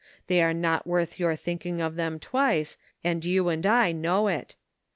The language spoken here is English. They are not worth your thinking of them twice, and you and T know it.